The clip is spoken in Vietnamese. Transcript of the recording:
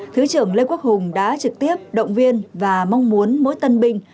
thứ trưởng lê quốc hùng đã trực tiếp động viên và mong muốn mỗi tân binh